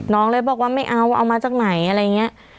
น้องเลยบอกว่าไม่เอาว่าเอามาจากไหนอะไรอย่างนี้